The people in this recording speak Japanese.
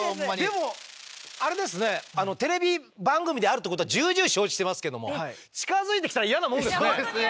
でもあれですねテレビ番組であるってことは重々承知してますけども近づいてきたらイヤなもんですね。